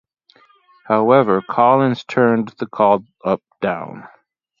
However, Collins turned the call-up down.